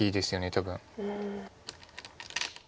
多分。